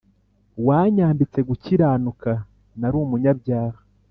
wanyambitse gukiranuka nari umunyabyaha